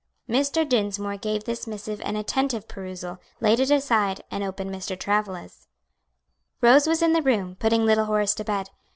Mr. Dinsmore gave this missive an attentive perusal, laid it aside, and opened Mr. Travilla's. Rose was in the room, putting little Horace to bed.